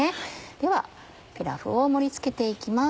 ではピラフを盛り付けて行きます。